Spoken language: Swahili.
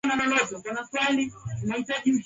Nakutafuta kwa hamu, sabuni unirehemu,